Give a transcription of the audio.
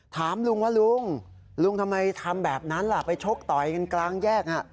ถามลุงว่าลุงลุงทำไมทำแบบนั้นล่ะไปชกต่อยกันกลางแยก